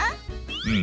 うん。